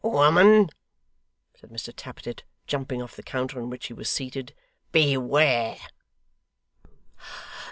'Woman!' said Mr Tappertit, jumping off the counter on which he was seated; 'beware!